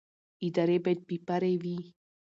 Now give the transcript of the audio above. ادارې باید بې پرې وي